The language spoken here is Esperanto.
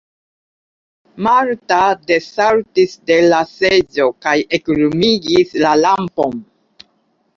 Marta desaltis de la seĝo kaj eklumigis la lampon.